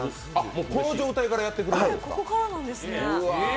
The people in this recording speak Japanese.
この状態からやってくれるんですか。